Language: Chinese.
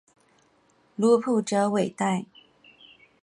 普卢泽韦代。